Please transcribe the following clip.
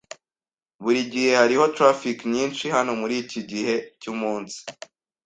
Burigihe hariho traffic nyinshi hano muriki gihe cyumunsi.